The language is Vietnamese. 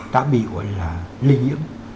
đã bị gọi là lây nhiễm